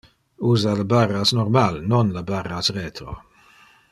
Usa le barras normal, non le barras-retro.